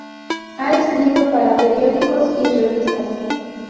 Ha escrito para periódicos y revistas.